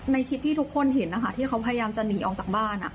ในคลิปที่ทุกคนเห็นนะคะที่เขาพยายามจะหนีออกจากบ้าน